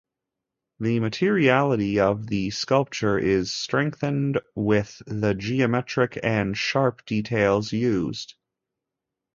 The materiality of the sculpture is strengthened with the geometric and sharp details used.